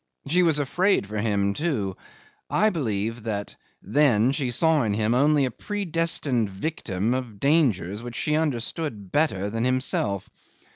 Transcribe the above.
She was afraid for him too. I believe that then she saw in him only a predestined victim of dangers which she understood better than himself.